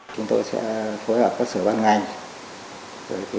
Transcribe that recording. chúng tôi sẽ phối hợp các sở ban ngành